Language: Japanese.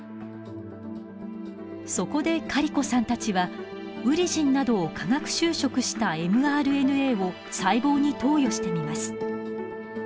そこでカリコさんたちはウリジンなどを化学修飾したｍＲＮＡを細胞に投与してみます。